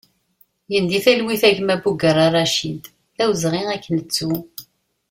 Gen di talwit a gma Bugerra Racid, d awezɣi ad k-nettu!